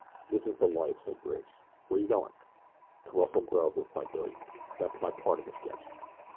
"This is the life," said Bridge. "Where you going?" "To rustle grub," replied Billy. "That's my part o' the sketch."